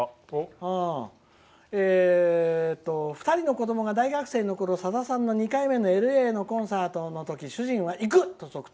２人の子どもが大学生のころさださんの２回目のＬＡでのコンサートの時主人は行くと即答。